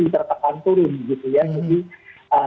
dan di depan turun gitu ya